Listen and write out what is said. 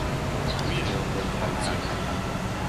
Gwir eo an holl draoù-se !